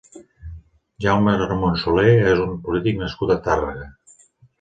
Jaume Ramon Solé és un polític nascut a Tàrrega.